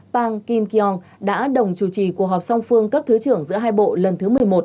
pang kim kyong đã đồng chủ trì cuộc họp song phương cấp thứ trưởng giữa hai bộ lần thứ một mươi một